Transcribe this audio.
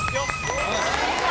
正解。